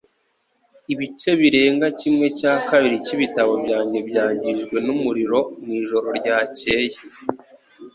Ibice birenga kimwe cya kabiri cyibitabo byanjye byangijwe numuriro mwijoro ryakeye